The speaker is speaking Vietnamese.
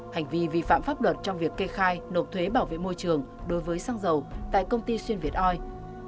hành vi vi phạm pháp luật trong việc kê khai nộp thuế bảo vệ môi trường đối với xăng dầu tại công ty xuyên việt oi